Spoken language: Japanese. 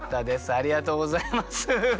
ありがとうございます。